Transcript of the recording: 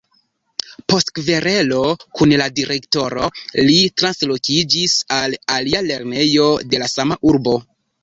Post kverelo kun la direktoro, li translokiĝis al alia lernejo de la sama urbo.